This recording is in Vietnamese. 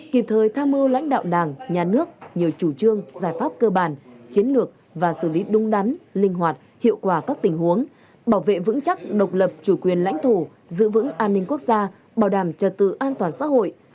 kịp thời tham mưu lãnh đạo đảng nhà nước nhiều chủ trương giải pháp cơ bản chiến lược và xử lý đúng đắn linh hoạt hiệu quả các tình huống bảo vệ vững chắc độc lập chủ quyền lãnh thổ giữ vững an ninh quốc gia bảo đảm trật tự an toàn xã hội